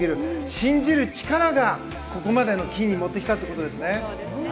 信じる力が、ここまでの金に持ってきたってことですね。